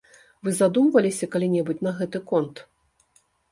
Вы задумваліся калі-небудзь на гэты конт?